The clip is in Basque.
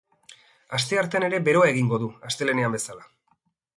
Asteartean ere beroa egingo du astelehenean bezala.